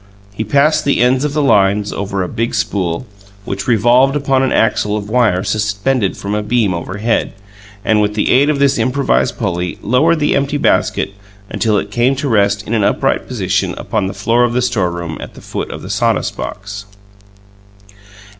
He passed the ends of the lines over a big spool, which revolved upon an axle of wire suspended from a beam overhead, and, with the aid of this improvised pulley, lowered the empty basket until it came to rest in an upright position upon the floor of the storeroom at the foot of the sawdust box.